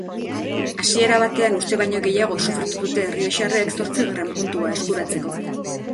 Hasiera batean uste baino gehiago sufritu dute errioxarrek zortzigarren puntua eskuratzeko.